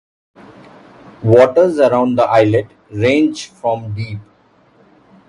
Waters around the islet range from deep.